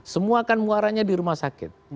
semua kan muaranya di rumah sakit